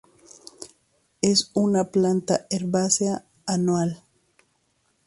Es una planta herbácea anual.